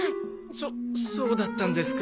そそうだったんですか。